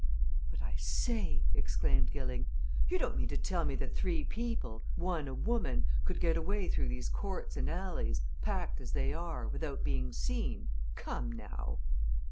"But I say!" exclaimed Gilling. "You don't mean to tell me that three people one a woman could get away through these courts and alleys, packed as they are, without being seen? Come now!"